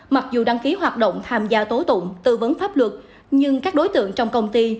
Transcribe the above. mặc dù đăng ký hoạt động tham gia tố tụng tư vấn pháp luật nhưng các đối tượng trong công ty